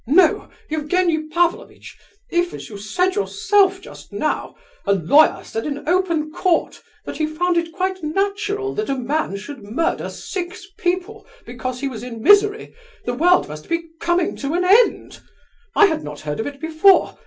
"No, Evgenie Pavlovitch, if, as you said yourself just now, a lawyer said in open court that he found it quite natural that a man should murder six people because he was in misery, the world must be coming to an end. I had not heard of it before.